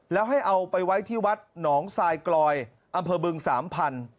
แล้วให้เอาไปไว้ที่วัดหนองทรายกลอยอำเภอบึงสามพัน